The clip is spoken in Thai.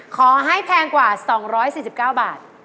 ขอให้แพงกว่า๒๔๙บาท